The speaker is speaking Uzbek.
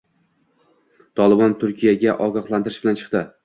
«Tolibon» Turkiyaga ogohlantirish bilan chiqdi